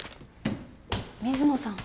水野さん。